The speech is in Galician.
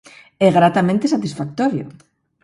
É gratamente satisfactorio!